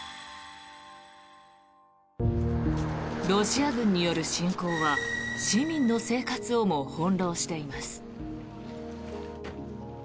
ロシア軍による侵攻は市民の生活をも翻ろうしています。